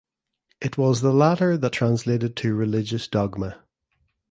It was the latter that translated to religious dogma.